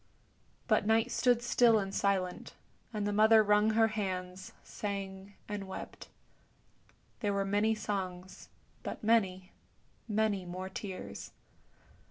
But Night stood still and silent, and the mother wrung her hands, sang, and wept. There were many songs, but many, many more tears.